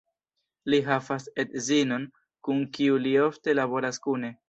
Li havas edzinon, kun kiu li ofte laboras kune.